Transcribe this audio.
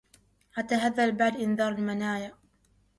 أتذهل بعد إنذار المنايا